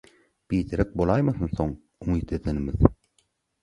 Biderek bolaýmasyn soň umyt edenimiz?!